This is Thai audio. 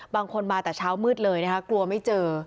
บางคนมาแต่เช้ามืดเลยนะคะกลัวไม่เจอ